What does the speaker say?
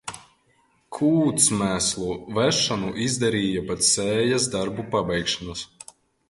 Kūtsmēslu vešanu izdarīja pēc sējas darbu pabeigšanas.